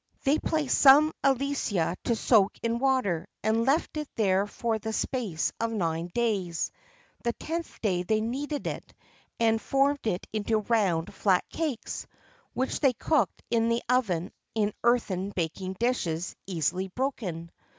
They placed some alica to soak in water, and left it there for the space of nine days; the tenth day they kneaded it, and formed it into round, flat cakes, which they cooked in the oven in earthen baking dishes easily broken.